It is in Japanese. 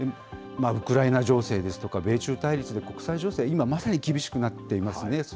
ウクライナ情勢ですとか米中対立で国際情勢、今まさに厳しくなっていますね。